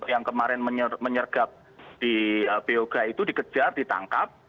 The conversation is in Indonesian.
yang kemarin menyergap di beoga itu dikejar ditangkap